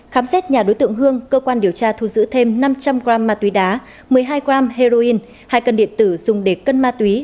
khám xét nhà đối tượng hương cơ quan điều tra thu giữ thêm năm trăm linh g ma túy đá một mươi hai g heroin hai cân điện tử dùng để cân ma túy